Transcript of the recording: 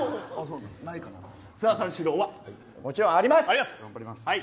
もちろんあります。